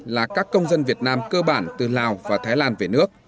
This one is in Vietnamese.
là các công dân việt nam cơ bản từ lào và thái lan về nước